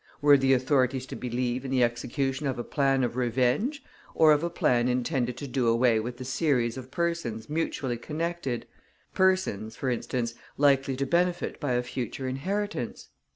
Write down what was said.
Were the authorities to believe in the execution of a plan of revenge or of a plan intended to do away with the series of persons mutually connected, persons, for instance, likely to benefit by a future inheritance?